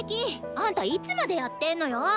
あんたいつまでやってんのよ！